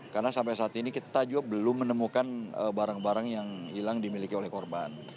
karena sampai saat ini kita juga belum menemukan barang barang yang hilang dimiliki oleh korban